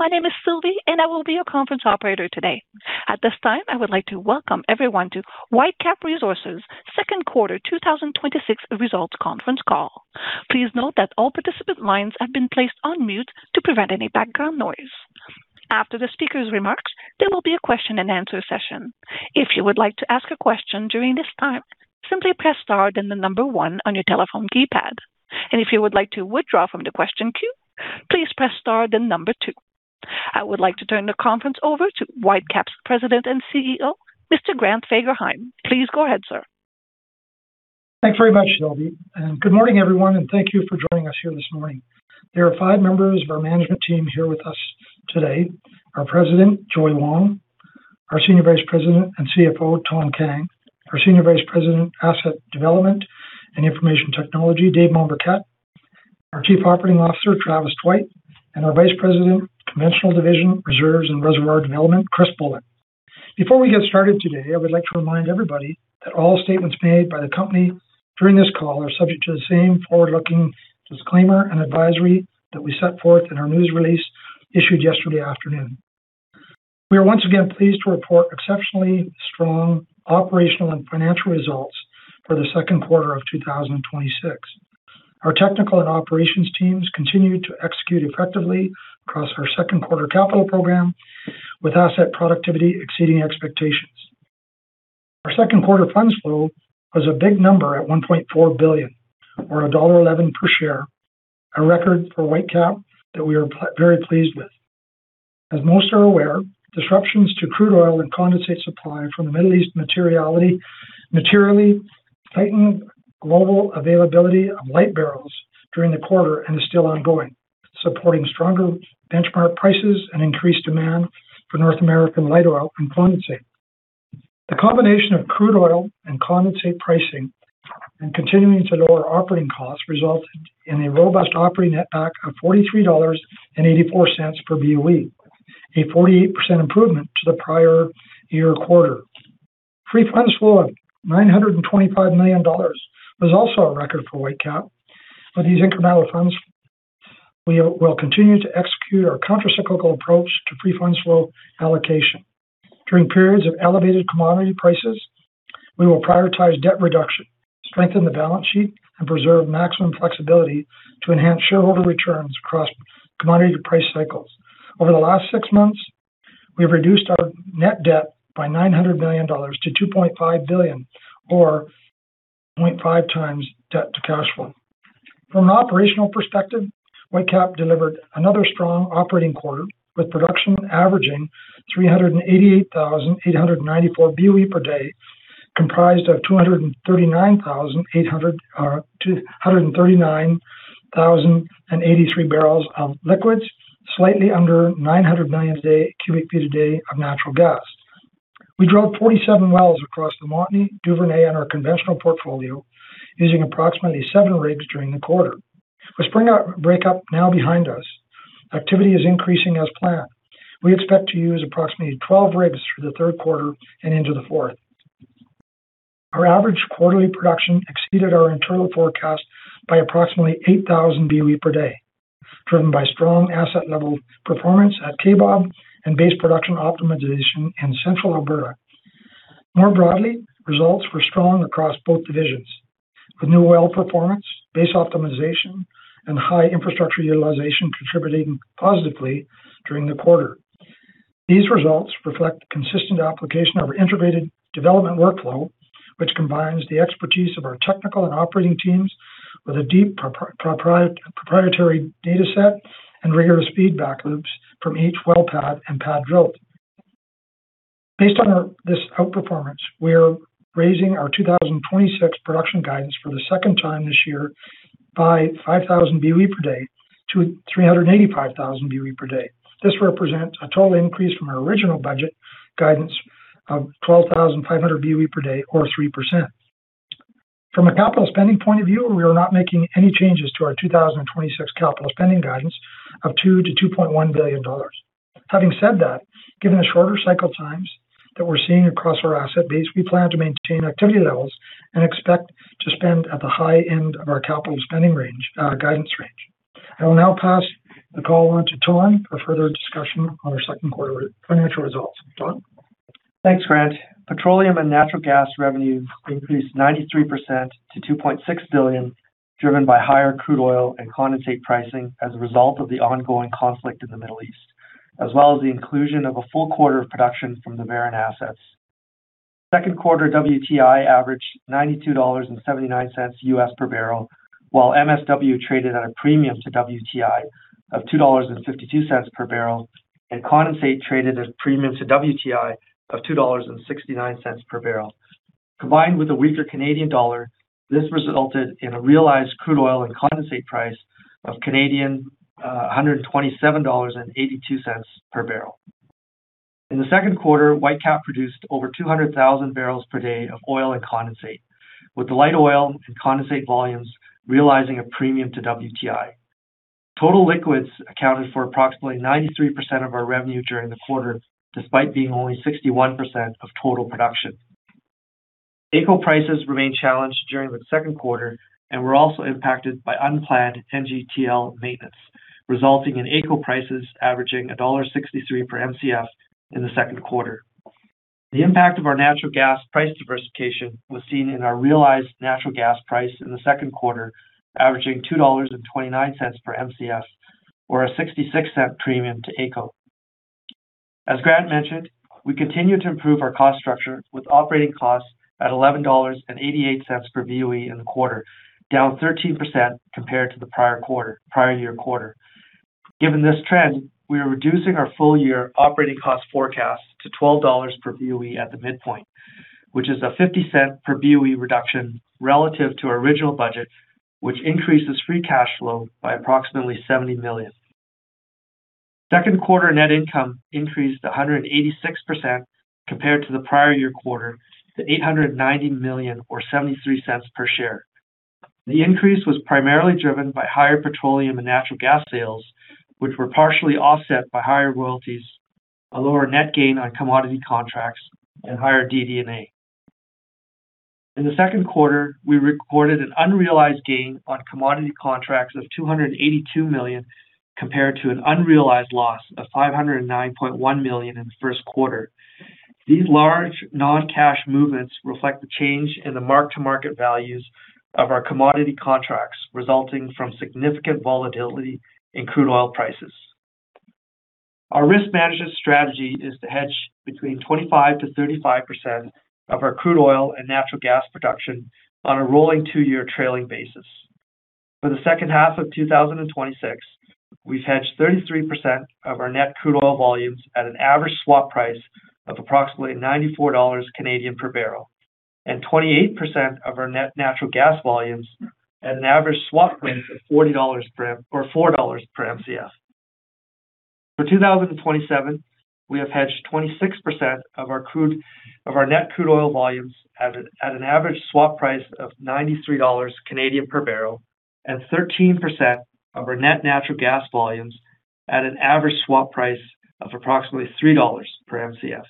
My name is Sylvie, and I will be your conference operator today. At this time, I would like to welcome everyone to Whitecap Resources' second quarter 2026 results conference call. Please note that all participant lines have been placed on mute to prevent any background noise. After the speaker's remarks, there will be a question and answer session. If you would like to ask a question during this time, simply press star, then number 1 on your telephone keypad. If you would like to withdraw from the question queue, please press star, then number 2. I would like to turn the conference over to Whitecap's President and Chief Executive Officer, Mr. Grant Fagerheim. Please go ahead, sir. Thanks very much, Sylvie. Good morning, everyone, and thank you for joining us here this morning. There are five members of our management team here with us today. Our President, Joey Wong, our Senior Vice President and CFO, Thanh Kang, our Senior Vice President, Asset Development and Information Technology, Dave Mombourquette, our Chief Operating Officer, Travis Tweit, and our Vice President, Conventional Division, Reserves and Reservoir Development, Chris Bullin. Before we get started today, I would like to remind everybody that all statements made by the company during this call are subject to the same forward-looking disclaimer and advisory that we set forth in our news release issued yesterday afternoon. We are once again pleased to report exceptionally strong operational and financial results for the second quarter of 2026. Our technical and operations teams continued to execute effectively across our second quarter capital program, with asset productivity exceeding expectations. Our second quarter funds flow was a big number at 1.4 billion, or dollar 1.11 per share, a record for Whitecap that we are very pleased with. As most are aware, disruptions to crude oil and condensate supply from the Middle East materially tightened global availability of light barrels during the quarter and is still ongoing, supporting stronger benchmark prices and increased demand for North American light oil and condensate. The combination of crude oil and condensate pricing and continuing to lower operating costs resulted in a robust operating netback of 43.84 dollars per BOE, a 48% improvement to the prior year quarter. Free funds flow of CAD 925 million was also a record for Whitecap. With these incremental funds, we will continue to execute our countercyclical approach to free funds flow allocation. During periods of elevated commodity prices, we will prioritize debt reduction, strengthen the balance sheet, and preserve maximum flexibility to enhance shareholder returns across commodity price cycles. Over the last six months, we have reduced our net debt by 900 million dollars to 2.5 billion or 0.5x debt to cash flow. From an operational perspective, Whitecap delivered another strong operating quarter, with production averaging 388,894 BOE per day, comprised of 239,083 barrels of liquids, slightly under 900 million cubic feet a day of natural gas. We drilled 47 wells across the Montney, Duvernay and our conventional portfolio, using approximately seven rigs during the quarter. With spring breakup now behind us, activity is increasing as planned. We expect to use approximately 12 rigs through the third quarter and into the fourth. Our average quarterly production exceeded our internal forecast by approximately 8,000 BOE per day, driven by strong asset-level performance at Kaybob and base production optimization in Central Alberta. More broadly, results were strong across both divisions, with new well performance, base optimization, and high infrastructure utilization contributing positively during the quarter. These results reflect consistent application of our integrated development workflow, which combines the expertise of our technical and operating teams with a deep proprietary data set and rigorous feedback loops from each well pad and pad drilled. Based on this outperformance, we are raising our 2026 production guidance for the second time this year by 5,000 BOE per day to 385,000 BOE per day. This represents a total increase from our original budget guidance of 12,500 BOE per day or 3%. From a capital spending point of view, we are not making any changes to our 2026 capital spending guidance of 2 billion-2.1 billion dollars. Having said that, given the shorter cycle times that we are seeing across our asset base, we plan to maintain activity levels and expect to spend at the high end of our capital spending range, guidance range. I will now pass the call on to Thanh for further discussion on our second quarter financial results. Thanh? Thanks, Grant. Petroleum and natural gas revenue increased 93% to 2.6 billion, driven by higher crude oil and condensate pricing as a result of the ongoing conflict in the Middle East, as well as the inclusion of a full quarter of production from the Veren assets. Second quarter WTI averaged $92.79 per barrel, while MSW traded at a premium to WTI of $2.52 per barrel, and condensate traded at a premium to WTI of $2.69 per barrel. Combined with a weaker Canadian dollar, this resulted in a realized crude oil and condensate price of 127.82 Canadian dollars per barrel. In the second quarter, Whitecap produced over 200,000 barrels per day of oil and condensate, with the light oil and condensate volumes realizing a premium to WTI. Total liquids accounted for approximately 93% of our revenue during the quarter, despite being only 61% of total production. AECO prices remained challenged during the second quarter and were also impacted by unplanned NGTL maintenance, resulting in AECO prices averaging dollar 1.63 per Mcf in the second quarter. The impact of our natural gas price diversification was seen in our realized natural gas price in the second quarter, averaging 2.29 dollars per Mcf or a 0.66 premium to AECO. As Grant mentioned, we continue to improve our cost structure with operating costs at 11.88 dollars per BOE in the quarter, down 13% compared to the prior year quarter. Given this trend, we are reducing our full-year operating cost forecast to 12 dollars per BOE at the midpoint, which is a 0.50 per BOE reduction relative to our original budget, which increases free cash flow by approximately 70 million. Second quarter net income increased 186% compared to the prior year quarter to 890 million or 0.73 per share. The increase was primarily driven by higher petroleum and natural gas sales, which were partially offset by higher royalties, a lower net gain on commodity contracts, and higher DD&A. In the second quarter, we recorded an unrealized gain on commodity contracts of 282 million compared to an unrealized loss of 509.1 million in the first quarter. These large non-cash movements reflect the change in the mark-to-market values of our commodity contracts, resulting from significant volatility in crude oil prices. Our risk management strategy is to hedge between 25%-35% of our crude oil and natural gas production on a rolling two-year trailing basis. For the second half of 2026, we've hedged 33% of our net crude oil volumes at an average swap price of approximately 94 Canadian dollars per barrel and 28% of our net natural gas volumes at an average swap price of 4 dollars per Mcf. For 2027, we have hedged 26% of our net crude oil volumes at an average swap price of 93 Canadian dollars per barrel and 13% of our net natural gas volumes at an average swap price of approximately 3 dollars per Mcf.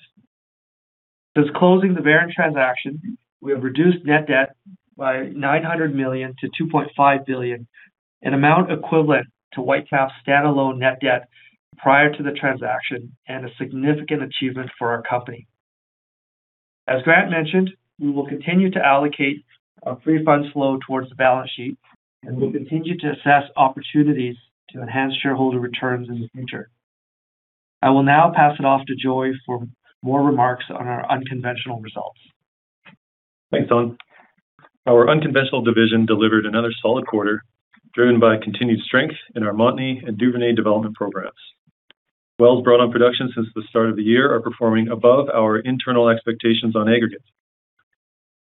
Since closing the Veren transaction, we have reduced net debt by 900 million to 2.5 billion, an amount equivalent to Whitecap's standalone net debt prior to the transaction and a significant achievement for our company. As Grant mentioned, we will continue to allocate our free funds flow towards the balance sheet and will continue to assess opportunities to enhance shareholder returns in the future. I will now pass it off to Joey for more remarks on our unconventional results. Thanks, Thanh. Our unconventional division delivered another solid quarter, driven by continued strength in our Montney and Duvernay development programs. Wells brought on production since the start of the year are performing above our internal expectations on aggregate.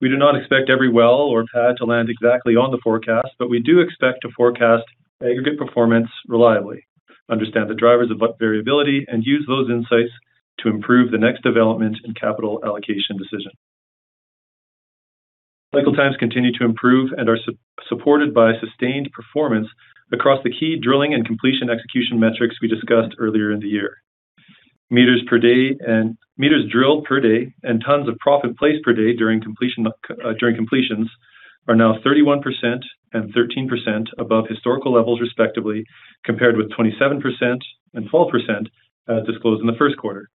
We do not expect every well or pad to land exactly on the forecast, but we do expect to forecast aggregate performance reliably, understand the drivers of variability, and use those insights to improve the next development and capital allocation decision. Cycle times continue to improve and are supported by sustained performance across the key drilling and completion execution metrics we discussed earlier in the year. Meters drilled per day and tons of proppant placed per day during completions are now 31% and 13% above historical levels, respectively, compared with 27% and 12% as disclosed in the first quarter,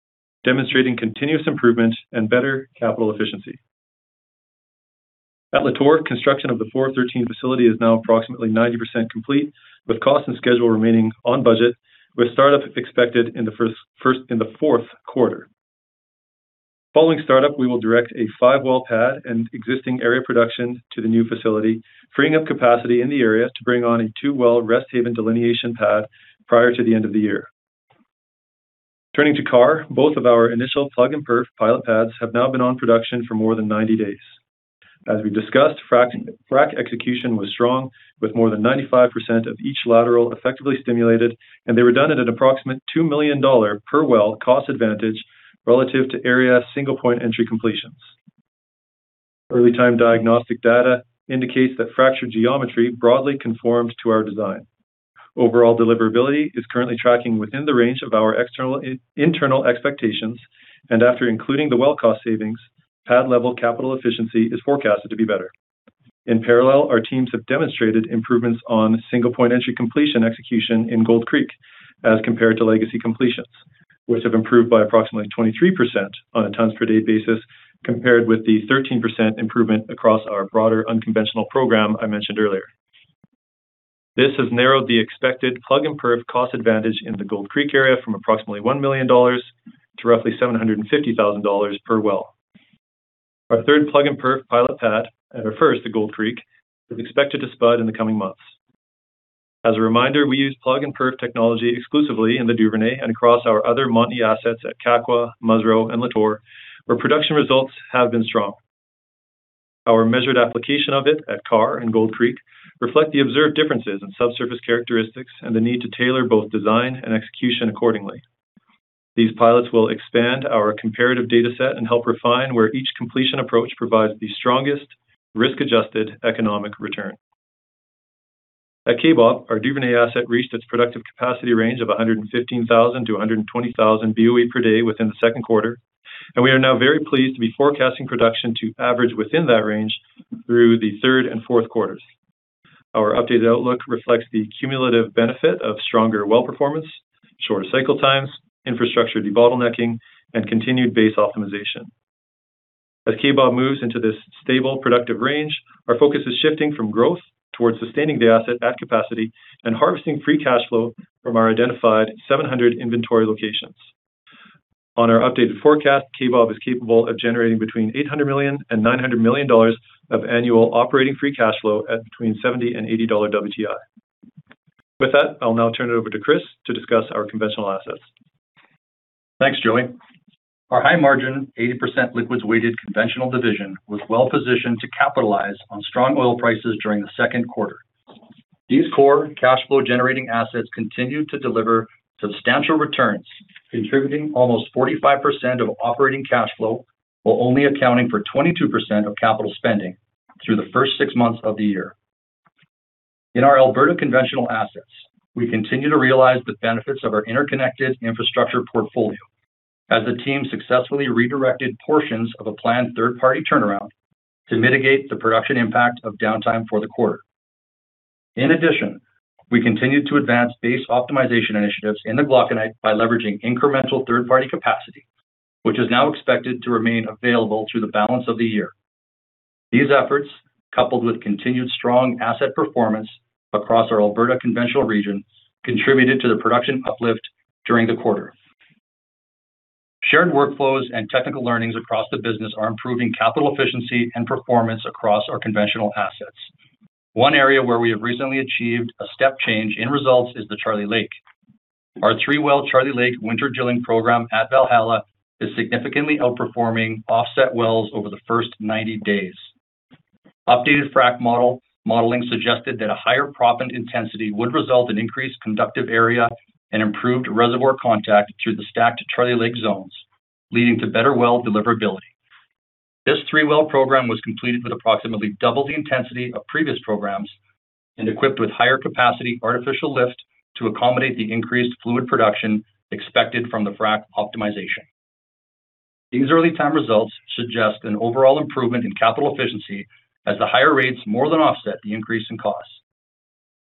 demonstrating continuous improvement and better capital efficiency. At Lator, construction of the 413 facility is now approximately 90% complete, with cost and schedule remaining on budget, with startup expected in the fourth quarter. Following startup, we will direct a five-well pad and existing area production to the new facility, freeing up capacity in the area to bring on a two-well Resthaven delineation pad prior to the end of the year. Turning to Karr, both of our initial plug-and-perf pilot pads have now been on production for more than 90 days. As we discussed, frac execution was strong, with more than 95% of each lateral effectively stimulated, and they were done at an approximate 2 million dollar per well cost advantage relative to area single-point entry completions. Early-time diagnostic data indicates that fracture geometry broadly conforms to our design. Overall deliverability is currently tracking within the range of our internal expectations. After including the well cost savings, pad-level capital efficiency is forecasted to be better. In parallel, our teams have demonstrated improvements on single-point entry completion execution in Gold Creek as compared to legacy completions, which have improved by approximately 23% on a tons per day basis compared with the 13% improvement across our broader unconventional program I mentioned earlier. This has narrowed the expected plug-and-perf cost advantage in the Gold Creek area from approximately 1 million dollars to roughly 750,000 dollars per well. Our third plug-and-perf pilot pad at our first, the Gold Creek, is expected to spud in the coming months. As a reminder, we use plug-and-perf technology exclusively in the Duvernay and across our other Montney assets at Kakwa, Musreau, and Lator, where production results have been strong. Our measured application of it at Karr and Gold Creek reflect the observed differences in subsurface characteristics and the need to tailor both design and execution accordingly. These pilots will expand our comparative data set and help refine where each completion approach provides the strongest risk-adjusted economic return. At Kaybob, our Duvernay asset reached its productive capacity range of 115,000-120,000 BOE per day within the second quarter. We are now very pleased to be forecasting production to average within that range through the third and fourth quarters. Our updated outlook reflects the cumulative benefit of stronger well performance, shorter cycle times, infrastructure debottlenecking, and continued base optimization. As Kaybob moves into this stable, productive range, our focus is shifting from growth towards sustaining the asset at capacity and harvesting free cash flow from our identified 700 inventory locations. On our updated forecast, Kaybob is capable of generating between 800 million and 900 million dollars of annual operating free cash flow at between $70 and $80 WTI. With that, I'll now turn it over to Chris to discuss our conventional assets. Thanks, Joey. Our high margin, 80% liquids-weighted conventional division was well-positioned to capitalize on strong oil prices during the second quarter. These core cash flow-generating assets continued to deliver substantial returns, contributing almost 45% of operating cash flow while only accounting for 22% of capital spending through the first six months of the year. In our Alberta conventional assets, we continue to realize the benefits of our interconnected infrastructure portfolio as the team successfully redirected portions of a planned third-party turnaround to mitigate the production impact of downtime for the quarter. In addition, we continued to advance base optimization initiatives in the Glauconite by leveraging incremental third-party capacity, which is now expected to remain available through the balance of the year. These efforts, coupled with continued strong asset performance across our Alberta conventional region, contributed to the production uplift during the quarter. Shared workflows and technical learnings across the business are improving capital efficiency and performance across our conventional assets. One area where we have recently achieved a step change in results is the Charlie Lake. Our three-well Charlie Lake winter drilling program at Valhalla is significantly outperforming offset wells over the first 90 days. Updated frack modeling suggested that a higher proppant intensity would result in increased conductive area and improved reservoir contact through the stacked Charlie Lake zones, leading to better well deliverability. This three-well program was completed with approximately double the intensity of previous programs and equipped with higher capacity artificial lift to accommodate the increased fluid production expected from the frack optimization. These early time results suggest an overall improvement in capital efficiency as the higher rates more than offset the increase in costs.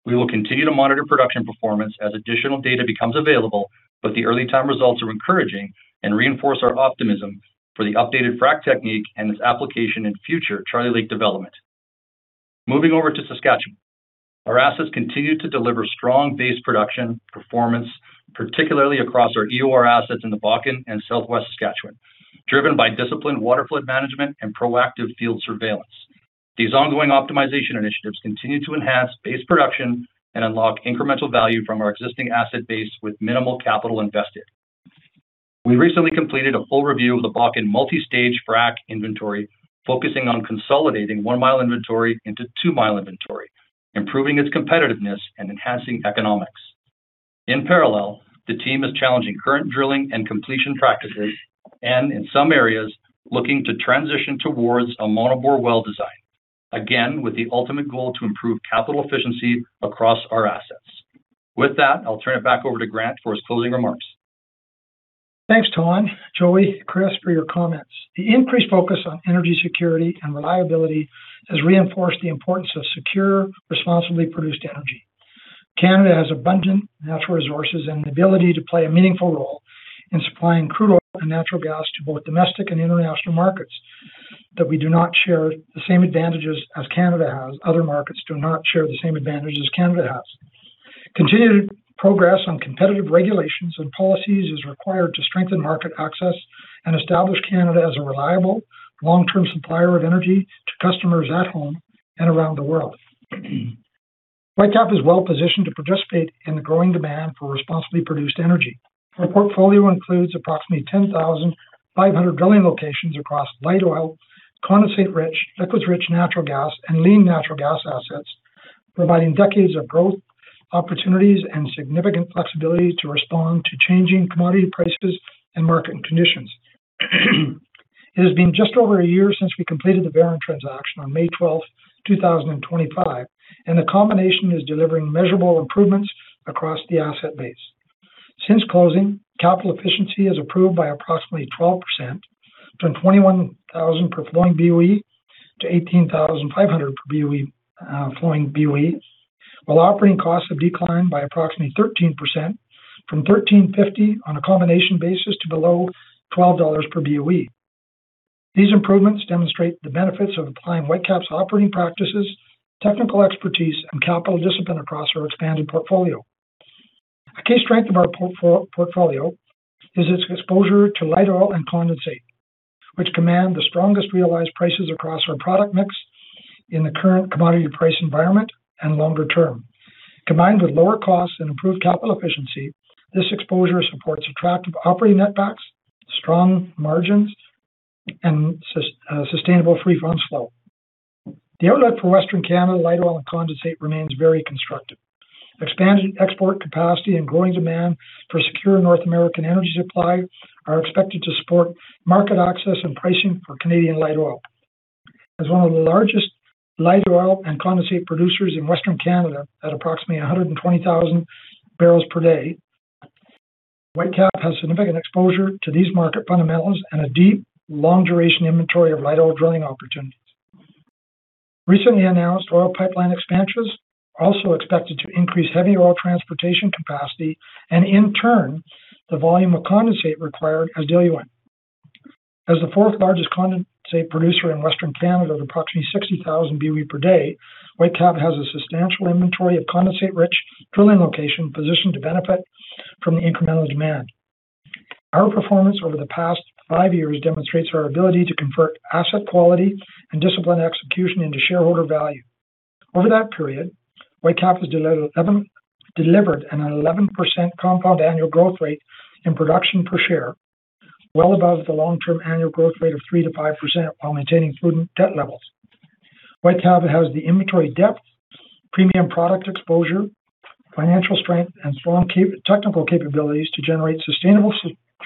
We will continue to monitor production performance as additional data becomes available, but the early time results are encouraging and reinforce our optimism for the updated frack technique and its application in future Charlie Lake development. Moving over to Saskatchewan. Our assets continue to deliver strong base production performance, particularly across our EOR assets in the Bakken and Southwest Saskatchewan, driven by disciplined waterflood management and proactive field surveillance. These ongoing optimization initiatives continue to enhance base production and unlock incremental value from our existing asset base with minimal capital invested. We recently completed a full review of the Bakken multi-stage frack inventory, focusing on consolidating one-mile inventory into two-mile inventory, improving its competitiveness and enhancing economics. In parallel, the team is challenging current drilling and completion practices and, in some areas, looking to transition towards a monobore well design, again, with the ultimate goal to improve capital efficiency across our assets. With that, I'll turn it back over to Grant for his closing remarks. Thanks, Thanh, Joey, Chris for your comments. The increased focus on energy security and reliability has reinforced the importance of secure, responsibly produced energy. Canada has abundant natural resources and the ability to play a meaningful role in supplying crude oil and natural gas to both domestic and international markets that we do not share the same advantages as Canada has. Other markets do not share the same advantage as Canada has. Continued progress on competitive regulations and policies is required to strengthen market access and establish Canada as a reliable, long-term supplier of energy to customers at home and around the world. Whitecap is well-positioned to participate in the growing demand for responsibly produced energy. Our portfolio includes approximately 10,500 drilling locations across light oil, condensate rich, liquids rich natural gas, and lean natural gas assets, providing decades of growth opportunities and significant flexibility to respond to changing commodity prices and market conditions. It has been just over a year since we completed the Veren transaction on May 12th, 2025, and the combination is delivering measurable improvements across the asset base. Since closing, capital efficiency is improved by approximately 12%, from 21,000 per flowing BOE to 18,500 flowing BOE. While operating costs have declined by approximately 13%, from 13.50 on a combination basis to below 12 dollars per BOE. These improvements demonstrate the benefits of applying Whitecap's operating practices, technical expertise and capital discipline across our expanded portfolio. A key strength of our portfolio is its exposure to light oil and condensate, which command the strongest realized prices across our product mix in the current commodity price environment and longer term. Combined with lower costs and improved capital efficiency, this exposure supports attractive operating netbacks, strong margins, and sustainable free cash flow. The outlook for Western Canada light oil and condensate remains very constructive. Expanded export capacity and growing demand for secure North American energy supply are expected to support market access and pricing for Canadian light oil. As one of the largest light oil and condensate producers in Western Canada, at approximately 120,000 barrels per day, Whitecap has significant exposure to these market fundamentals and a deep, long-duration inventory of light oil drilling opportunities. Recently announced oil pipeline expansions are also expected to increase heavy oil transportation capacity and, in turn, the volume of condensate required as diluent. As the fourth-largest condensate producer in Western Canada with approximately 60,000 BOE per day, Whitecap has a substantial inventory of condensate-rich drilling locations positioned to benefit from the incremental demand. Our performance over the past five years demonstrates our ability to convert asset quality and disciplined execution into shareholder value. Over that period, Whitecap has delivered an 11% compound annual growth rate in production per share, well above the long-term annual growth rate of 3%-5% while maintaining prudent debt levels. Whitecap has the inventory depth, premium product exposure, financial strength, and strong technical capabilities to generate sustainable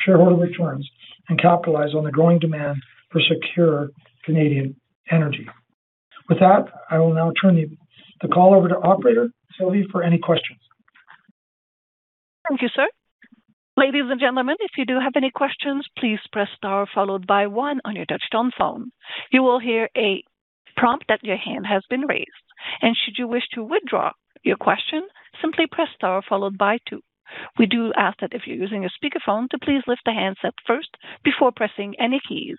shareholder returns and capitalize on the growing demand for secure Canadian energy. With that, I will now turn the call over to Operator Sylvie for any questions. Thank you, sir. Ladies and gentlemen, if you do have any questions, please press star followed by one on your touch-tone phone. You will hear a prompt that your hand has been raised. Should you wish to withdraw your question, simply press star followed by two. We do ask that if you're using a speakerphone to please lift the handset first before pressing any keys.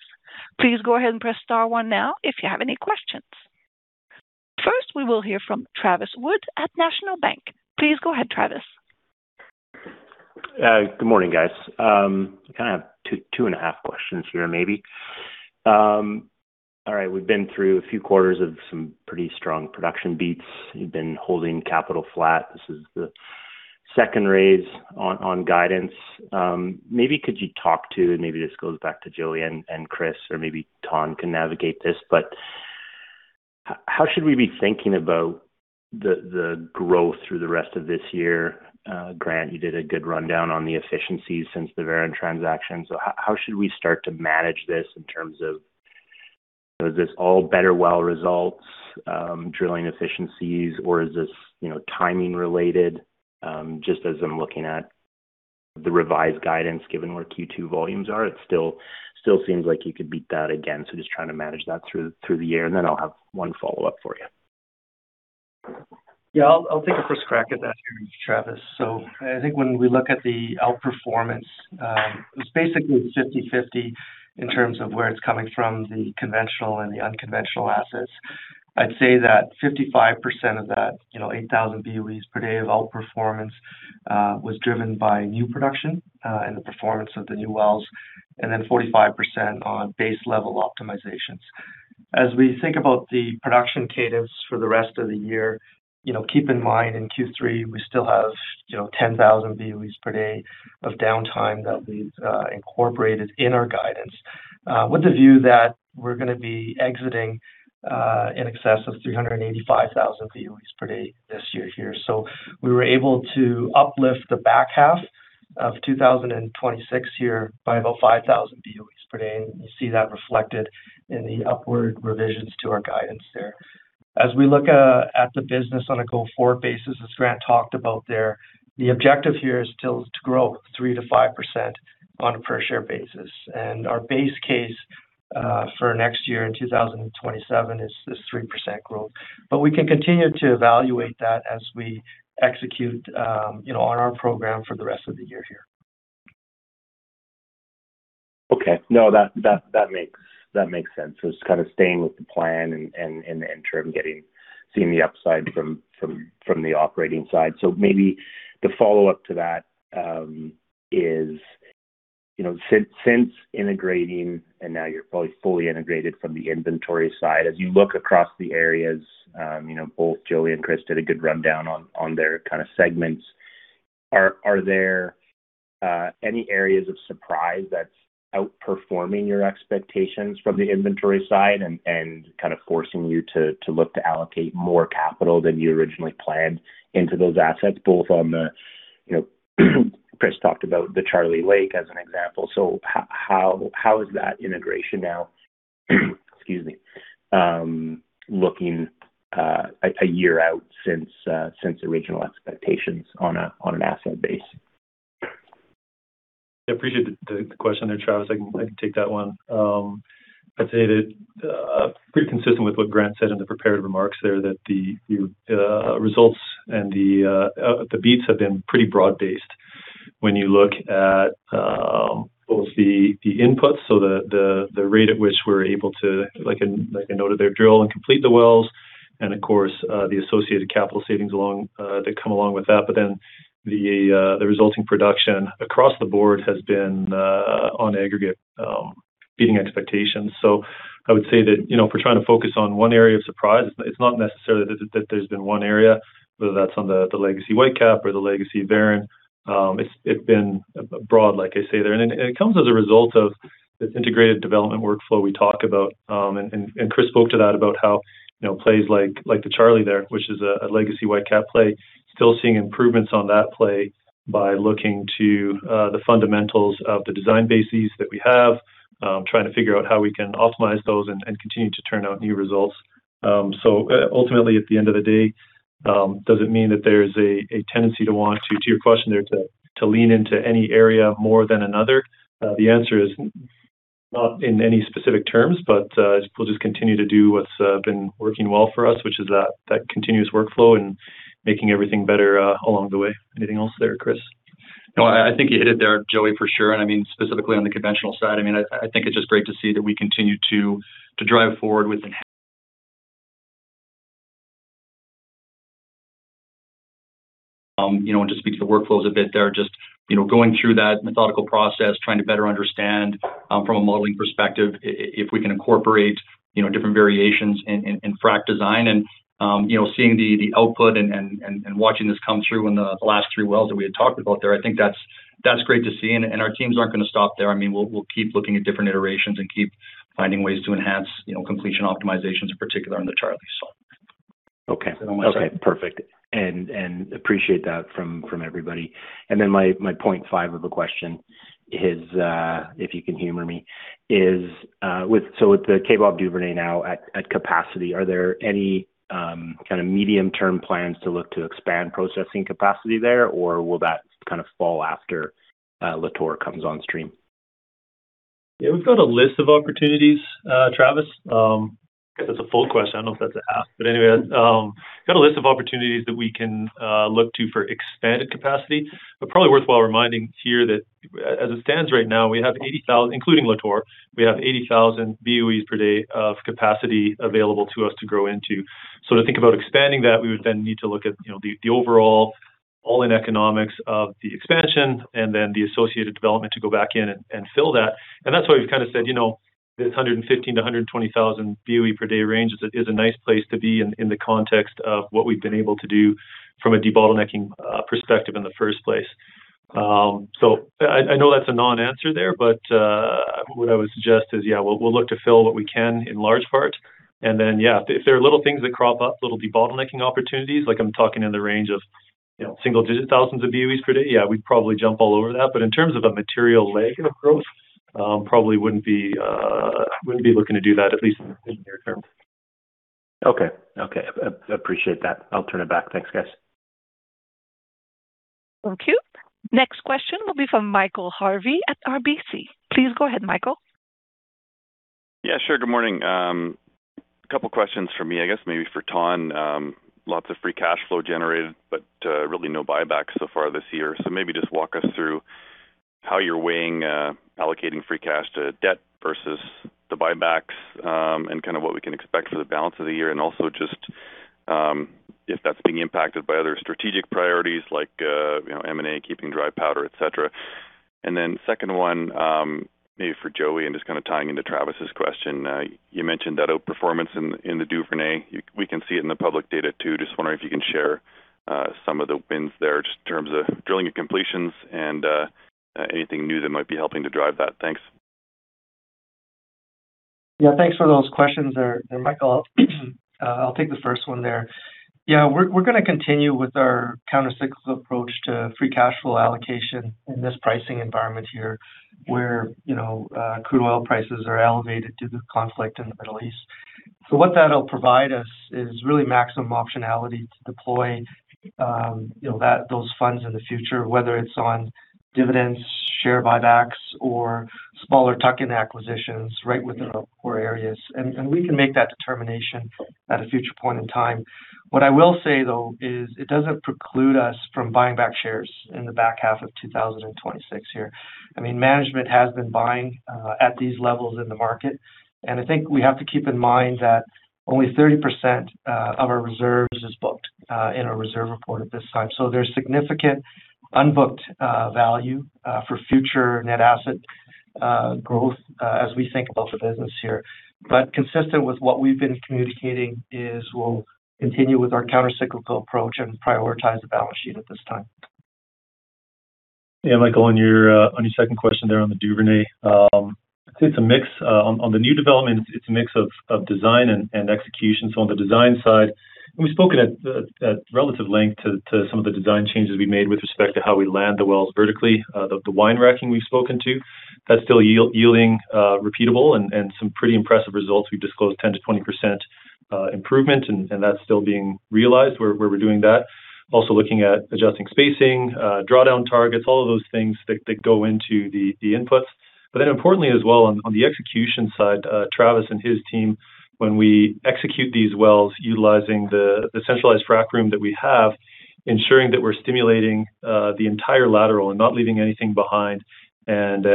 Please go ahead and press star one now if you have any questions. First, we will hear from Travis Wood at National Bank. Please go ahead, Travis. Good morning, guys. I kind of have two and a half questions here, maybe. We've been through a few quarters of some pretty strong production beats. You've been holding capital flat. This is the second raise on guidance. Maybe could you talk to, and maybe this goes back to Joey and Chris, or maybe Thanh can navigate this, how should we be thinking about the growth through the rest of this year? Grant, you did a good rundown on the efficiencies since the Veren transaction. How should we start to manage this in terms of, is this all better well results, drilling efficiencies, or is this timing related? Just as I'm looking at the revised guidance given where Q2 volumes are, it still seems like you could beat that again. Just trying to manage that through the year, and then I'll have one follow-up for you. I'll take a first crack at that here, Travis. I think when we look at the outperformance, it's basically 50/50 in terms of where it's coming from the conventional and the unconventional assets. I'd say that 55% of that 8,000 BOEs per day of outperformance was driven by new production and the performance of the new wells, and then 45% on base level optimizations. As we think about the production cadence for the rest of the year, keep in mind in Q3, we still have 10,000 BOEs per day of downtime that we've incorporated in our guidance with the view that we're going to be exiting in excess of 385,000 BOEs per day this year here. We were able to uplift the back half of 2026 here by about 5,000 BOEs per day, and you see that reflected in the upward revisions to our guidance there. As we look at the business on a go-forward basis, as Grant talked about there, the objective here is still to grow 3%-5% on a per share basis. Our base case for next year in 2027 is this 3% growth. We can continue to evaluate that as we execute on our program for the rest of the year here. Okay. No, that makes sense. It's kind of staying with the plan and in turn seeing the upside from the operating side. Maybe the follow-up to that is since integrating, and now you're probably fully integrated from the inventory side, as you look across the areas, both Joey and Chris did a good rundown on their kind of segments. Are there any areas of surprise that's outperforming your expectations from the inventory side and kind of forcing you to look to allocate more capital than you originally planned into those assets, both on the Chris talked about the Charlie Lake as an example. How is that integration now, excuse me, looking a year out since original expectations on an asset base? I appreciate the question there, Travis. I can take that one. I'd say that pretty consistent with what Grant said in the prepared remarks there, that the results and the beats have been pretty broad-based when you look at both the inputs, the rate at which we're able to, like I noted there, drill and complete the wells, and of course, the associated capital savings that come along with that. The resulting production across the board has been on aggregate Beating expectations. I would say that if we're trying to focus on one area of surprise, it's not necessarily that there's been one area, whether that's on the legacy Whitecap or the legacy Veren. It's been broad, like I say there. It comes as a result of this integrated development workflow we talk about. Chris spoke to that about how plays like the Charlie there, which is a legacy Whitecap play, still seeing improvements on that play by looking to the fundamentals of the design bases that we have, trying to figure out how we can optimize those and continue to turn out new results. Ultimately, at the end of the day, does it mean that there's a tendency to want to your question there, to lean into any area more than another? The answer is not in any specific terms, we'll just continue to do what's been working well for us, which is that continuous workflow and making everything better along the way. Anything else there, Chris? No, I think you hit it there, Joey, for sure. I mean, specifically on the conventional side, I think it's just great to see that we continue to drive forward with. Just speak to the workflows a bit there, just going through that methodical process, trying to better understand from a modeling perspective, if we can incorporate different variations in frack design. Seeing the output and watching this come through in the last three wells that we had talked about there, I think that's great to see, and our teams aren't going to stop there. We'll keep looking at different iterations and keep finding ways to enhance completion optimizations, in particular on the Charlie. Okay. Is that all right? Okay, perfect. Appreciate that from everybody. Then my point five of the question is, if you can humor me, with the Kaybob Duvernay now at capacity, are there any kind of medium-term plans to look to expand processing capacity there, or will that kind of fall after Lator comes on stream? We've got a list of opportunities, Travis. I guess that's a full question. I don't know if that's a half, anyway, got a list of opportunities that we can look to for expanded capacity, probably worthwhile reminding here that as it stands right now, including Lator, we have 80,000 BOE per day of capacity available to us to grow into. To think about expanding that, we would then need to look at the overall all-in economics of the expansion and then the associated development to go back in and fill that. That's why we've kind of said, this 115,000-120,000 BOE per day range is a nice place to be in the context of what we've been able to do from a debottlenecking perspective in the first place. What I would suggest is, yeah, we'll look to fill what we can in large part. Yeah, if there are little things that crop up, little debottlenecking opportunities, like I'm talking in the range of single-digit thousands of BOEs per day. Yeah, we'd probably jump all over that. In terms of a material leg of growth, probably wouldn't be looking to do that, at least in the near term. Okay. I appreciate that. I'll turn it back. Thanks, guys. Thank you. Next question will be from Michael Harvey at RBC. Please go ahead, Michael. Sure. Good morning. Couple questions from me, I guess maybe for Thanh. Lots of free cash flow generated, but really no buybacks so far this year. Maybe just walk us through how you're weighing allocating free cash to debt versus the buybacks, and kind of what we can expect for the balance of the year. Just if that's being impacted by other strategic priorities like M&A, keeping dry powder, et cetera. Second one, maybe for Joey, and just kind of tying into Travis's question. You mentioned that outperformance in the Duvernay, we can see it in the public data too. Just wondering if you can share some of the wins there, just in terms of drilling and completions and anything new that might be helping to drive that. Thanks. Yeah, thanks for those questions there, Michael. I will take the first one there. We are going to continue with our countercyclical approach to free cash flow allocation in this pricing environment here, where crude oil prices are elevated due to conflict in the Middle East. What that will provide us is really maximum optionality to deploy those funds in the future, whether it is on dividends, share buybacks, or smaller tuck-in acquisitions right within our core areas. We can make that determination at a future point in time. What I will say, though, is it does not preclude us from buying back shares in the back half of 2026 here. Management has been buying at these levels in the market, and I think we have to keep in mind that only 30% of our reserves is booked in our reserve report at this time. There is significant unbooked value for future net asset growth as we think about the business here. Consistent with what we have been communicating is we will continue with our countercyclical approach and prioritize the balance sheet at this time. Michael, on your second question there on the Duvernay, I would say it is a mix. On the new development, it is a mix of design and execution. On the design side, and we have spoken at relative length to some of the design changes we made with respect to how we land the wells vertically. The wine racking we have spoken to, that is still yielding repeatable and some pretty impressive results. We have disclosed 10%-20% improvement, and that is still being realized where we are doing that. Also looking at adjusting spacing, drawdown targets, all of those things that go into the inputs. Importantly as well, on the execution side, Travis and his team, when we execute these wells utilizing the centralized frack room that we have, ensuring that we are stimulating the entire lateral and not leaving anything behind and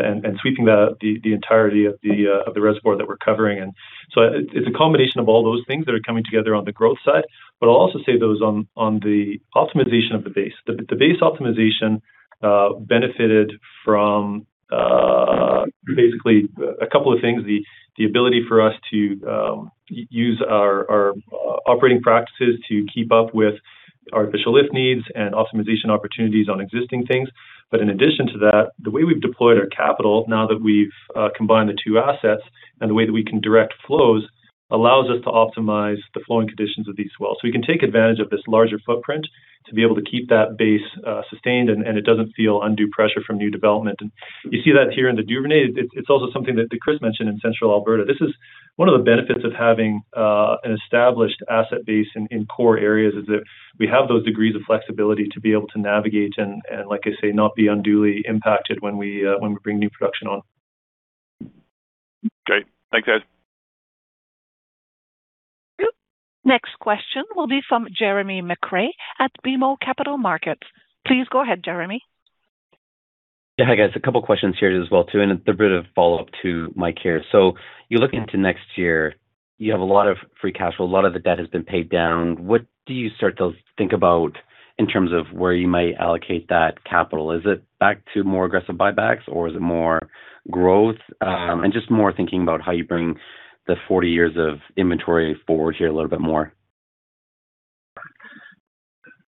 sweeping the entirety of the reservoir that we are covering. It is a combination of all those things that are coming together on the growth side. I will also say those on the optimization of the base. The base optimization benefited from a couple of things, the ability for us to use our operating practices to keep up with our artificial lift needs and optimization opportunities on existing things. In addition to that, the way we have deployed our capital, now that we have combined the two assets, and the way that we can direct flows, allows us to optimize the flowing conditions of these wells. We can take advantage of this larger footprint to be able to keep that base sustained, and it does not feel undue pressure from new development. You see that here in the Duvernay. It is also something that Chris mentioned in Central Alberta. This is one of the benefits of having an established asset base in core areas, is that we have those degrees of flexibility to be able to navigate and, like I say, not be unduly impacted when we bring new production on. Great. Thanks, guys. Next question will be from Jeremy McCrea at BMO Capital Markets. Please go ahead, Jeremy. Yeah. Hi, guys. A couple of questions here as well, too, and a bit of follow-up to Mike here. You're looking to next year, you have a lot of free cash flow, a lot of the debt has been paid down. What do you start to think about in terms of where you might allocate that capital? Is it back to more aggressive buybacks, or is it more growth? Just more thinking about how you bring the 40 years of inventory forward here a little bit more.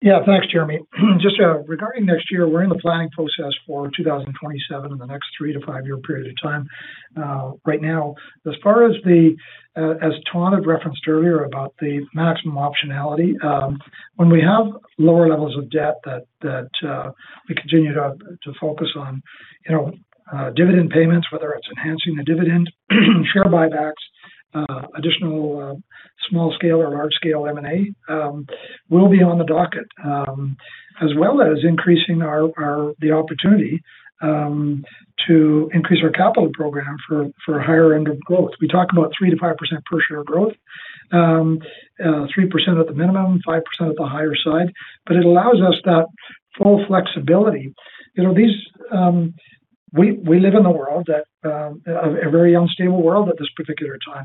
Yeah. Thanks, Jeremy. Just regarding next year, we're in the planning process for 2027 and the next three to five-year period of time. Right now, as far as Thanh had referenced earlier about the maximum optionality, when we have lower levels of debt that we continue to focus on dividend payments, whether it's enhancing the dividend, share buybacks, additional small scale or large scale M&A will be on the docket, as well as increasing the opportunity to increase our capital program for higher end of growth. We talk about 3%-5% per share growth, 3% at the minimum, 5% at the higher side. It allows us that full flexibility. We live in a very unstable world at this particular time.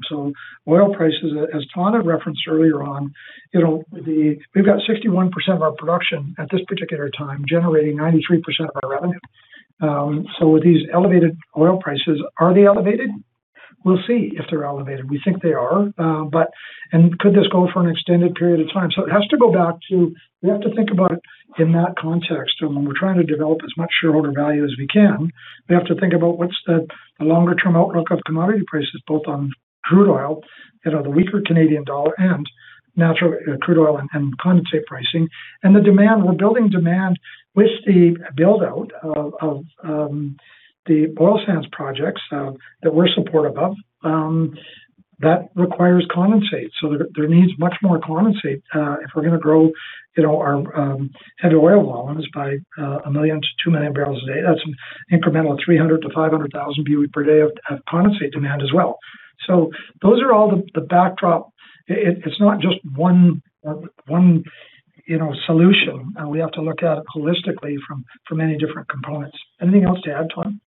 Oil prices, as Thanh had referenced earlier on, we've got 61% of our production at this particular time generating 93% of our revenue. With these elevated oil prices, are they elevated? We'll see if they're elevated. We think they are. Could this go for an extended period of time? It has to go back to, we have to think about it in that context of when we're trying to develop as much shareholder value as we can, we have to think about what's the longer-term outlook of commodity prices, both on crude oil, the weaker Canadian dollar and natural crude oil and condensate pricing. The demand, we're building demand with the build-out of the oil sands projects that we're supportive of. That requires condensate. There needs much more condensate if we're going to grow our heavy oil volumes by 1 million-2 million barrels a day. That's an incremental 300,000-500,000 BOE per day of condensate demand as well. Those are all the backdrop. It's not just one solution. We have to look at it holistically from many different components. Anything else to add, Thanh?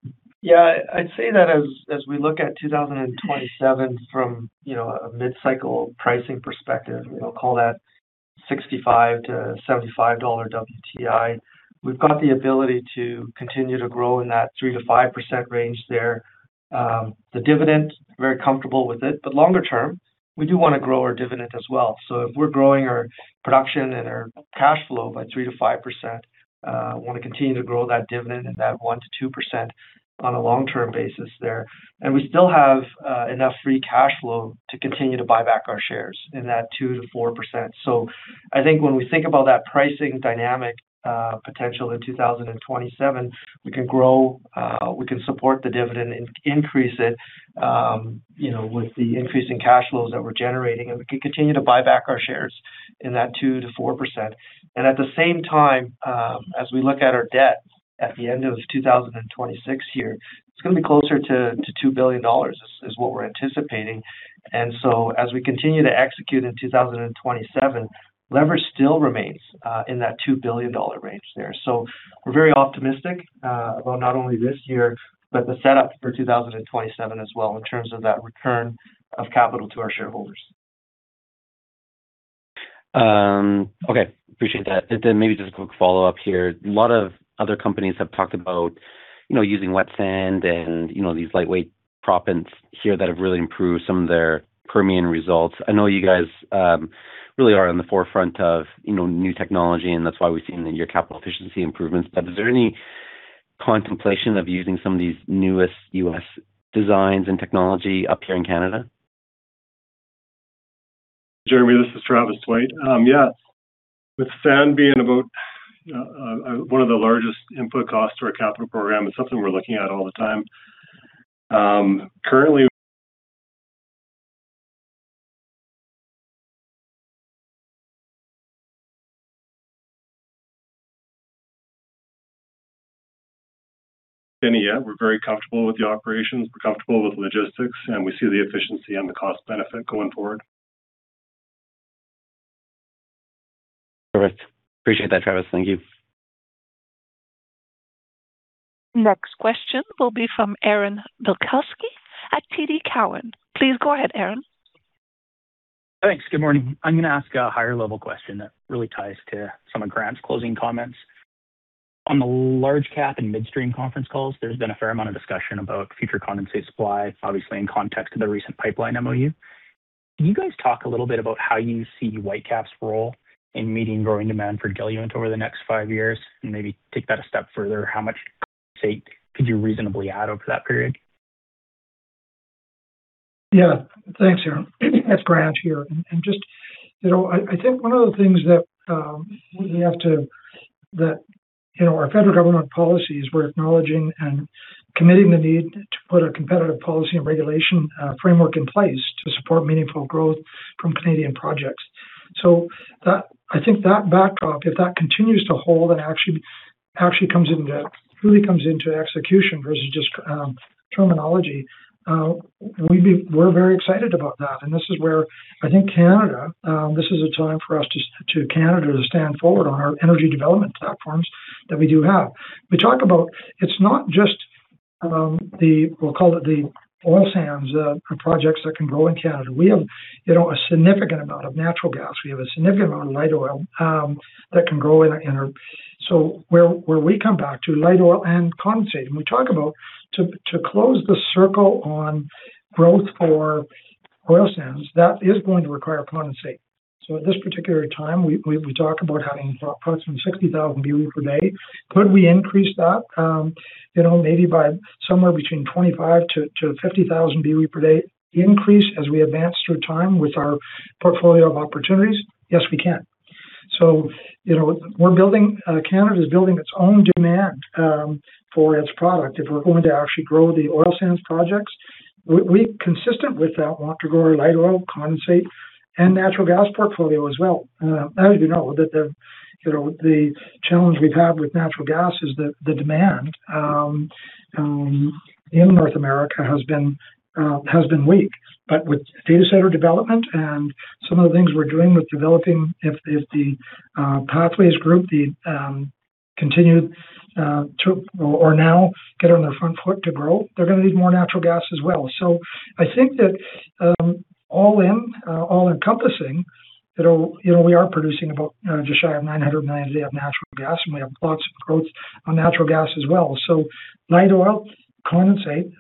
Yeah, I'd say that as we look at 2027 from a mid-cycle pricing perspective, we'll call that 65-75 dollar WTI, we've got the ability to continue to grow in that 3%-5% range there. The dividend, very comfortable with it, longer term, we do want to grow our dividend as well. If we're growing our production and our cash flow by 3%-5%, want to continue to grow that dividend at that 1%-2% on a long-term basis there. We still have enough free cash flow to continue to buy back our shares in that 2%-4%. I think when we think about that pricing dynamic potential in 2027, we can grow, we can support the dividend and increase it with the increase in cash flows that we're generating, and we can continue to buy back our shares in that 2%-4%. At the same time, as we look at our debt at the end of 2026 here, it's going to be closer to 2 billion dollars is what we're anticipating. As we continue to execute in 2027, leverage still remains in that 2 billion dollar range there. We're very optimistic about not only this year, but the setup for 2027 as well in terms of that return of capital to our shareholders. Okay. Appreciate that. Maybe just a quick follow-up here. A lot of other companies have talked about using wet sand and these lightweight proppants here that have really improved some of their Permian results. I know you guys really are on the forefront of new technology, and that's why we've seen in your capital efficiency improvements. Is there any contemplation of using some of these newest U.S. designs and technology up here in Canada? Jeremy, this is Travis Tweit. Yeah. With sand being about one of the largest input costs to our capital program, it's something we're looking at all the time. Currently, we're very comfortable with the operations, we're comfortable with logistics, and we see the efficiency and the cost benefit going forward. Perfect. Appreciate that, Travis. Thank you. Next question will be from Aaron Bilkoski at TD Cowen. Please go ahead, Aaron. Thanks. Good morning. I'm going to ask a higher-level question that really ties to some of Grant's closing comments. On the large cap and midstream conference calls, there's been a fair amount of discussion about future condensate supply, obviously in context of the recent pipeline MOU. Can you guys talk a little bit about how you see Whitecap's role in meeting growing demand for diluent over the next five years? Maybe take that a step further, how much condensate could you reasonably add over that period? Yeah. Thanks, Aaron. It's Grant here. Just, I think one of the things that our federal government policies, we're acknowledging and committing the need to put a competitive policy and regulation framework in place to support meaningful growth from Canadian projects. I think that backdrop, if that continues to hold and really comes into execution versus just terminology, we're very excited about that. This is where I think Canada, this is a time for Canada to stand forward on our energy development platforms that we do have. We talk about it's not just, we'll call it the oil sands projects that can grow in Canada. We have a significant amount of natural gas. We have a significant amount of light oil that can grow in our. Where we come back to light oil and condensate, and we talk about to close the circle on growth for oil sands, that is going to require condensate. At this particular time, we talk about having approximately 60,000 BOE per day. Could we increase that maybe by somewhere between 25,000-50,000 BOE per day increase as we advance through time with our portfolio of opportunities? Yes, we can. Canada is building its own demand for its product. If we're going to actually grow the oil sands projects, we, consistent with that, want to grow our light oil, condensate, and natural gas portfolio as well. As you know, the challenge we've had with natural gas is that the demand in North America has been weak. With data center development and some of the things we're doing with developing, if the Pathways Alliance continued to, or now get on their front foot to grow, they're going to need more natural gas as well. I think that all encompassing, we are producing about just shy of 900 million of natural gas, and we have lots of growth on natural gas as well. Light oil, condensate,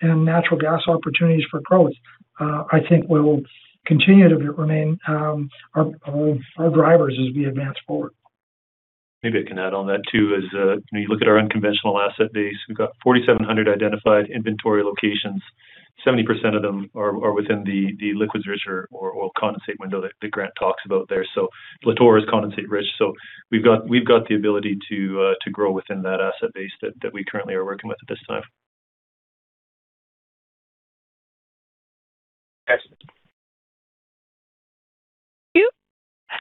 and natural gas opportunities for growth, I think will continue to remain our drivers as we advance forward. Maybe I can add on that, too, is when you look at our unconventional asset base, we've got 4,700 identified inventory locations. 70% of them are within the liquids rich or condensate window that Grant talks about there. Lator is condensate rich, we've got the ability to grow within that asset base that we currently are working with at this time.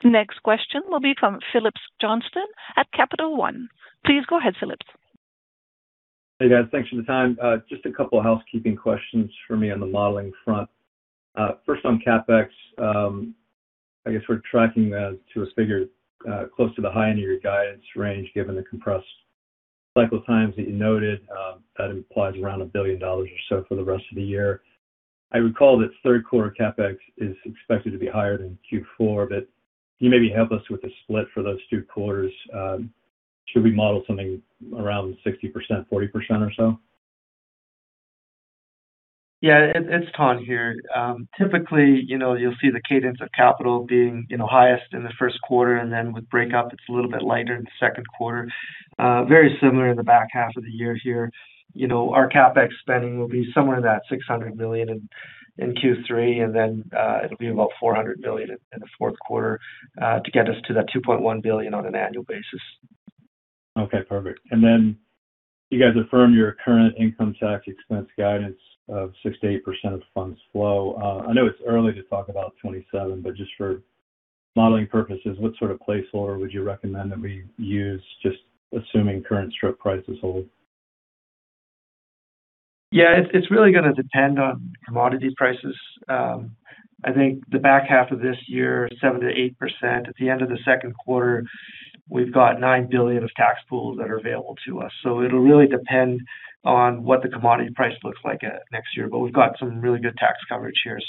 Excellent. Thank you. Next question will be from Phillips Johnston at Capital One. Please go ahead, Phillips. Hey, guys. Thanks for the time. Just a couple of housekeeping questions for me on the modeling front. First on CapEx, I guess we're tracking that to a figure close to the high end of your guidance range, given the compressed cycle times that you noted. That implies around 1 billion dollars or so for the rest of the year. I recall that third quarter CapEx is expected to be higher than Q4, can you maybe help us with the split for those two quarters? Should we model something around 60%/40% or so? Yeah. It's Thanh here. Typically, you'll see the cadence of capital being highest in the first quarter, with breakup, it's a little bit lighter in the second quarter. Very similar in the back half of the year here. Our CapEx spending will be somewhere in that 600 million in Q3, it'll be about 400 million in the fourth quarter to get us to that 2.1 billion on an annual basis. Okay, perfect. You guys affirmed your current income tax expense guidance of 6%-8% of funds flow. I know it's early to talk about 2027, but just for modeling purposes, what sort of placeholder would you recommend that we use, just assuming current strip prices hold? Yeah. It's really going to depend on commodity prices. I think the back half of this year, 7%-8%. At the end of the second quarter, we've got 9 billion of tax pools that are available to us. It'll really depend on what the commodity price looks like next year. We've got some really good tax coverage here.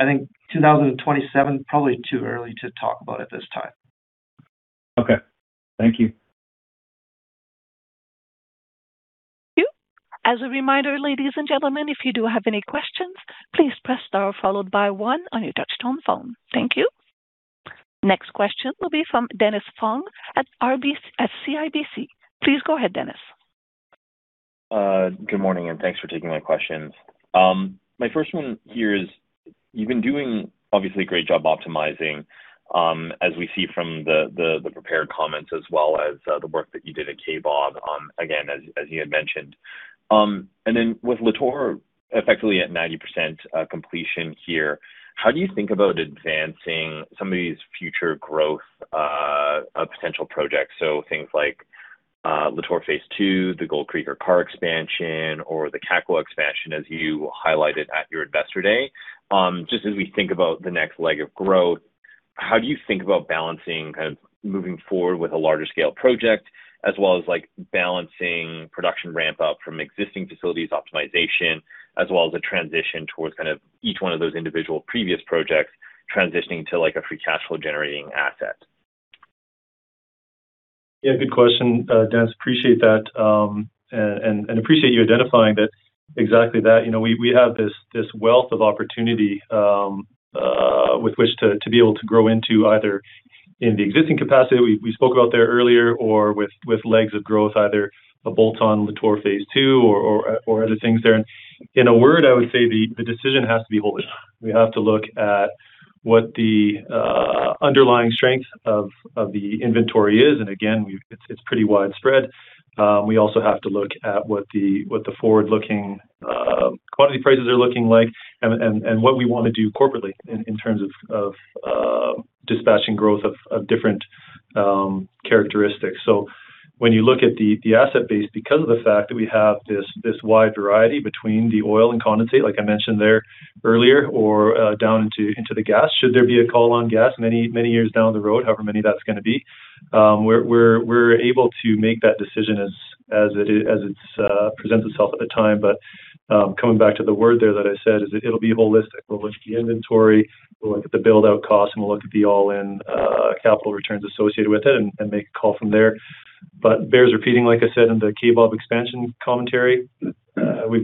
I think 2027, probably too early to talk about at this time. Okay. Thank you. Thank you. As a reminder, ladies and gentlemen, if you do have any questions, please press star followed by one on your touchtone phone. Thank you. Next question will be from Dennis Fong at CIBC. Please go ahead, Dennis. Good morning. Thanks for taking my questions. My first one here is, you've been doing obviously a great job optimizing as we see from the prepared comments as well as the work that you did at Kaybob, again, as you had mentioned. With Lator effectively at 90% completion here, how do you think about advancing some of these future growth potential projects? So things like Lator Phase 2, the Gold Creek or Karr expansion, or the Kakwa expansion as you highlighted at your investor day. Just as we think about the next leg of growth. How do you think about balancing moving forward with a larger scale project, as well as balancing production ramp-up from existing facilities optimization, as well as a transition towards each one of those individual previous projects transitioning to a free cash flow generating asset? Yeah, good question, Dennis. Appreciate that. Appreciate you identifying exactly that. We have this wealth of opportunity with which to be able to grow into either in the existing capacity we spoke about there earlier or with legs of growth, either a bolt-on Lator Phase 2 or other things there. In a word, I would say the decision has to be holistic. We have to look at what the underlying strength of the inventory is. Again, it's pretty widespread. We also have to look at what the forward-looking quantity prices are looking like and what we want to do corporately in terms of dispatching growth of different characteristics. When you look at the asset base, because of the fact that we have this wide variety between the oil and condensate, like I mentioned there earlier, or down into the gas, should there be a call on gas many years down the road, however many that's going to be, we're able to make that decision as it presents itself at the time. Coming back to the word there that I said, it'll be holistic. We'll look at the inventory, we'll look at the build-out cost, and we'll look at the all-in capital returns associated with it and make a call from there. Bears repeating, like I said in the Kaybob expansion commentary,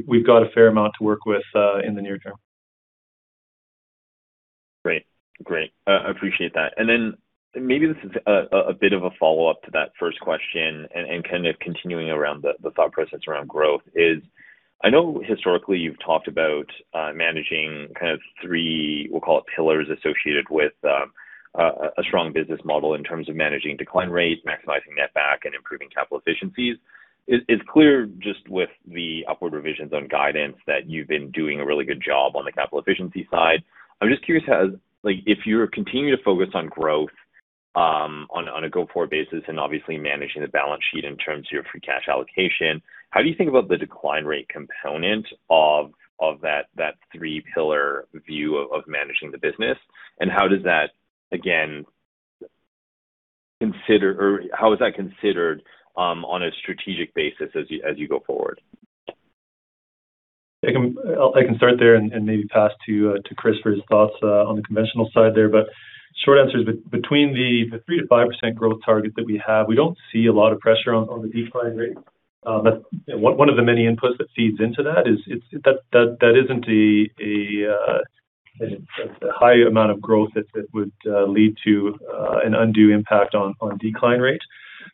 we've got a fair amount to work with in the near term. Great. I appreciate that. Then maybe this is a bit of a follow-up to that first question and continuing around the thought process around growth is, I know historically you've talked about managing three, we'll call it pillars, associated with a strong business model in terms of managing decline rates, maximizing net back, and improving capital efficiencies. It's clear just with the upward revisions on guidance that you've been doing a really good job on the capital efficiency side. I'm just curious, if you continue to focus on growth on a go-forward basis and obviously managing the balance sheet in terms of your free cash allocation, how do you think about the decline rate component of that three-pillar view of managing the business? How is that considered on a strategic basis as you go forward? I can start there and maybe pass to Chris for his thoughts on the conventional side there. Short answer is, between the 3%-5% growth target that we have, we don't see a lot of pressure on the decline rate. One of the many inputs that feeds into that is that isn't a high amount of growth that would lead to an undue impact on decline rate.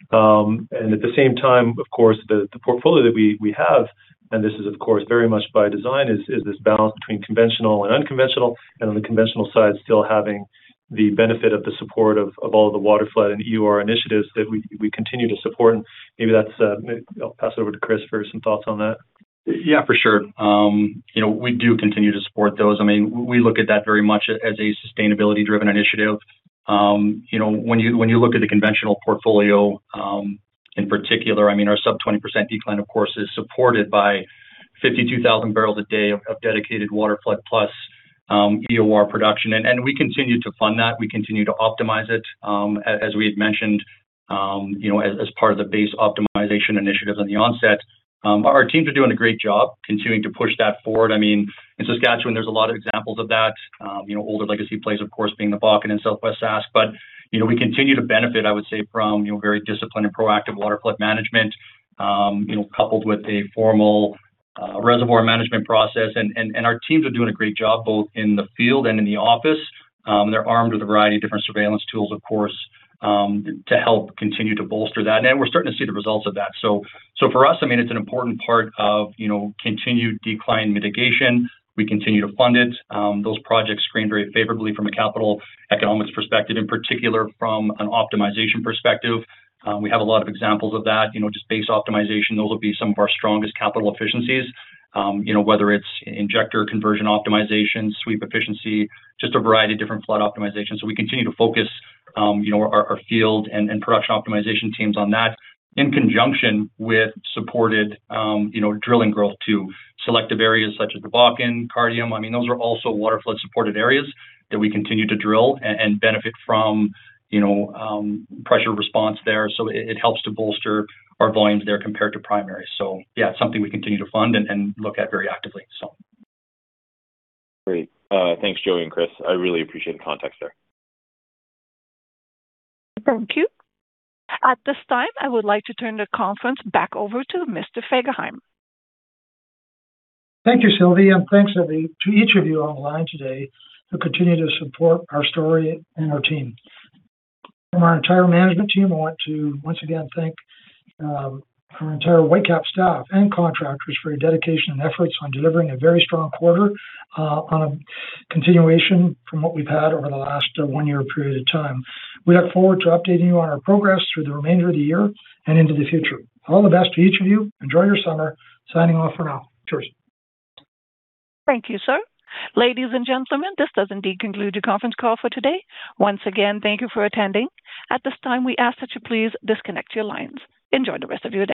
At the same time, of course, the portfolio that we have, and this is of course very much by design, is this balance between conventional and unconventional, and on the conventional side, still having the benefit of the support of all the waterflood and EOR initiatives that we continue to support. Maybe I'll pass it over to Chris for some thoughts on that. Yeah, for sure. We do continue to support those. We look at that very much as a sustainability-driven initiative. When you look at the conventional portfolio, in particular, our sub-20% decline, of course, is supported by 52,000 barrels a day of dedicated waterflood plus EOR production. We continue to fund that. We continue to optimize it, as we had mentioned as part of the base optimization initiatives on the onset. Our teams are doing a great job continuing to push that forward. In Saskatchewan, there's a lot of examples of that. Older legacy plays, of course, being the Bakken and Southwest Sask. We continue to benefit, I would say, from very disciplined and proactive waterflood management, coupled with a formal reservoir management process. Our teams are doing a great job both in the field and in the office. They're armed with a variety of different surveillance tools, of course, to help continue to bolster that. We're starting to see the results of that. For us, it's an important part of continued decline mitigation. We continue to fund it. Those projects screen very favorably from a capital economics perspective, in particular from an optimization perspective. We have a lot of examples of that. Just base optimization, those will be some of our strongest capital efficiencies. Whether it's injector conversion optimization, sweep efficiency, just a variety of different flood optimization. We continue to focus our field and production optimization teams on that in conjunction with supported drilling growth to selective areas such as the Bakken, Cardium. Those are also waterflood-supported areas that we continue to drill and benefit from pressure response there. It helps to bolster our volumes there compared to primary. Yeah, it's something we continue to fund and look at very actively. Great. Thanks, Joey and Chris. I really appreciate the context there. Thank you. At this time, I would like to turn the conference back over to Mr. Fagerheim. Thank you, Sylvie. Thanks to each of you on the line today who continue to support our story and our team. From our entire management team, I want to once again thank our entire Whitecap staff and contractors for your dedication and efforts on delivering a very strong quarter on a continuation from what we've had over the last one-year period of time. We look forward to updating you on our progress through the remainder of the year and into the future. All the best to each of you. Enjoy your summer. Signing off for now. Cheers. Thank you, sir. Ladies and gentlemen, this does indeed conclude the conference call for today. Once again, thank you for attending. At this time, we ask that you please disconnect your lines. Enjoy the rest of your day.